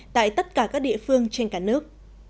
tại tất cả các địa phương trên cả nước